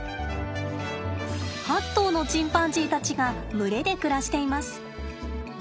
８頭のチンパンジーたちが群れで暮らしています。